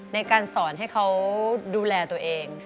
ในการสอนให้เขาดูแลตัวเอง